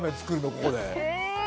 ここで。